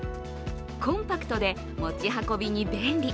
コンパクトで持ち運びに便利。